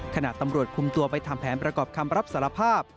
ขณะตำรวจคุมตัวไปทำแผนประกอบคำรับสารภาพ